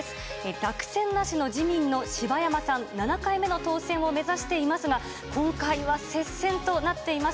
落選なしの自民の柴山さん、７回目の当選を目指していますが、今回は接戦となっています。